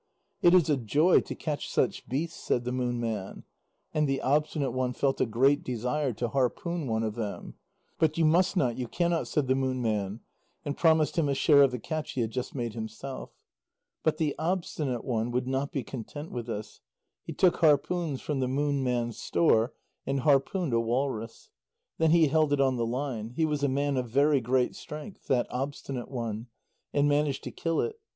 "It is a joy to catch such beasts," said the Moon Man, and the Obstinate One felt a great desire to harpoon one of them. "But you must not, you cannot," said the Moon Man, and promised him a share of the catch he had just made himself. But the Obstinate One would not be content with this; he took harpoons from the Moon Man's store, and harpooned a walrus. Then he held it on the line he was a man of very great strength, that Obstinate One and managed to kill it.